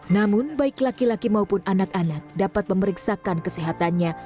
namun baik laki laki maupun anak anak dapat memeriksakan kesehatannya